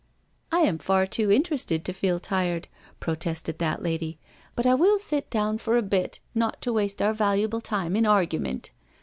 *'*' I am far too interested to feel tired," protested that lady, " but I will sit down for a bit not to waste our, valuable time in argument.